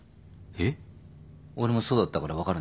えっ！？